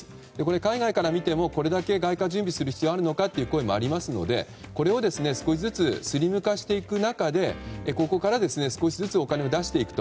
海外から見てもこれだけ外貨準備する必要があるのかという声もありますのでこれを少しずつスリム化していく中でここから少しずつお金を出していくと。